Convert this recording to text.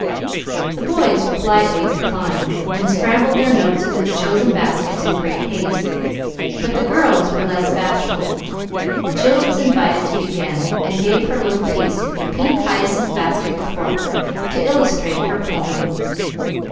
The boys politely declined, and scrambled their notes into the chosen baskets in great haste; but the girls were less bashful. Jill was invited to begin, and gave her little piece, with the pink hyacinth basket before her, to illustrate her poem.